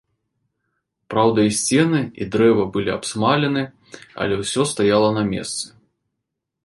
Праўда, і сцены, і дрэва былі абсмалены, але ўсё стаяла на месцы.